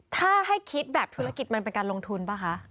ถ้าให้คิดแบบธุรกิจมันเป็นการลงทุนป่ะคะ